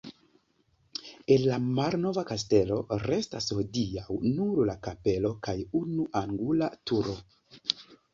El la malnova kastelo restas hodiaŭ nur la kapelo kaj unu angula turo.